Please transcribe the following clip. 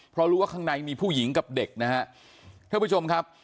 เพราะรู้ว่าข้างในมีผู้หญิงกับเด็กนะฮะท่านผู้ชมครับ